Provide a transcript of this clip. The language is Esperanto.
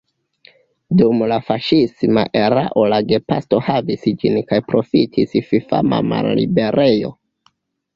Dum la faŝisma erao la Gestapo havis ĝin kaj profitis fifama malliberejo.